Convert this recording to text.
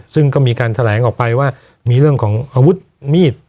ซึ่งก็มีการแถลงออกไปว่ามีเรื่องของอาวุธมีด